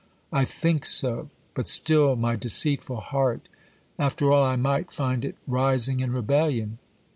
I think so;—but still my deceitful heart!—after all, I might find it rising in rebellion.